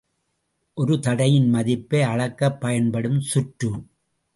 ஒரு தடையின் மதிப்பை அளக்கப் பயன்படும் சுற்று.